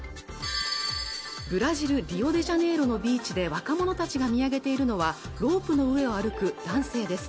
ブラジル・リオデジャネイロのビーチで若者たちが見上げているのはロープの上を歩く男性です